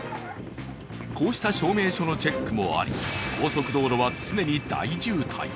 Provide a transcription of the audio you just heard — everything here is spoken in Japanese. こうした証明書のチェックもあり、高速道路は常に大渋滞。